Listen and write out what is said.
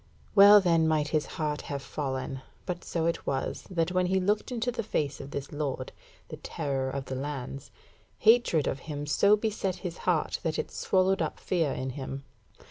Well then might his heart have fallen, but so it was, that when he looked into the face of this Lord, the terror of the lands, hatred of him so beset his heart that it swallowed up fear in him.